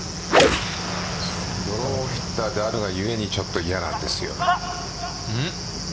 ドローヒッターであるがゆえにちょっと嫌なんですよ。